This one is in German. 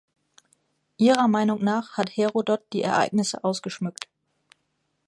Ihrer Meinung nach hat Herodot die Ereignisse ausgeschmückt.